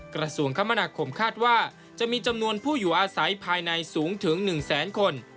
กระทรวงคมนาคมคาดว่าจะมีจำนวนผู้อยู่อาศัยภายในสูงถึง๑แสนคน